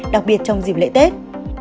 đặc biệt trong dịp lễ tết